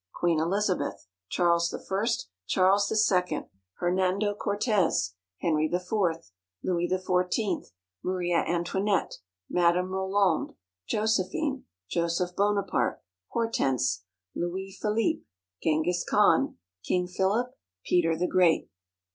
Queen Elizabeth. Charles I. Charles II. Hernando Cortez. Henry IV. Louis XIV. Maria Antoinette. Madame Roland. Josephine. Joseph Bonaparte. Hortense. Louis Philippe. Genghis Khan. King Philip. Peter the Great.